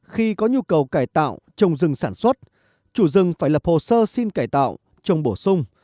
khi có nhu cầu cải tạo trồng rừng sản xuất chủ rừng phải lập hồ sơ xin cải tạo trồng bổ sung